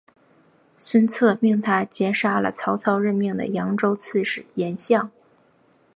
孙策命他截杀了曹操任命的扬州刺史严象。